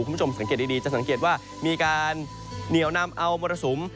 คุณผู้ชมสังเกตดีจะสังเกตว่ามีการเหนียวนำเอามรสุม